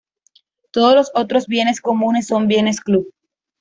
Todos los otros bienes comunes son Bienes club.